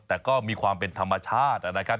แต่ก็มีความเป็นธรรมชาตินะครับ